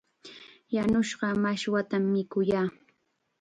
Yanushqa mashwatam mikuyaa.